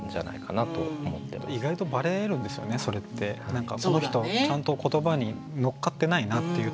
何かこの人ちゃんと言葉に乗っかってないなっていう時は。